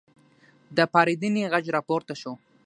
د پارېدنې غږ راپورته شو.